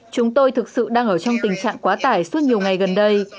chúng tôi thực sự đang ở trong tình trạng quá tải suốt nhiều ngày gần đây